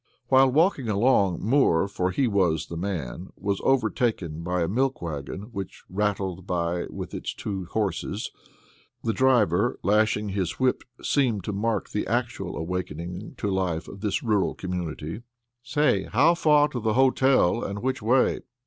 While walking along, Moore, for he was the man, was overtaken by a milk wagon which rattled by with its two horses; the driver, lashing his whip, seemed to mark the actual awakening to life of this rural community. "Say, how far to the hotel and which way?"